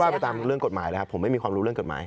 ไปตามเรื่องกฎหมายแล้วผมไม่มีความรู้เรื่องกฎหมาย